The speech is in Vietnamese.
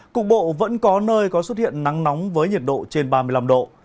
cục bộ vẫn có nơi có xuất hiện nắng nóng với nhiệt độ trên ba mươi năm độ